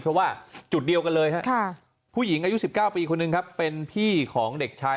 เพราะว่าจุดเดียวกันเลยครับผู้หญิงอายุ๑๙ปีคนหนึ่งครับเป็นพี่ของเด็กชาย